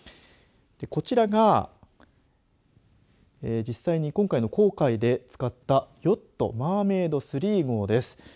こちらが実際の航海で使ったヨット、マーメイド３号です。